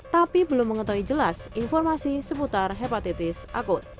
tapi belum mengetahui jelas informasi seputar hepatitis akut